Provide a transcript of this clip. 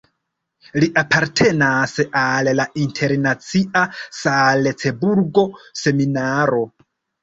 Li apartenas al la internacia Salcburgo-Seminaro.